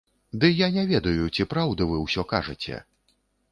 Ды я не ведаю, ці праўду вы ўсё кажаце.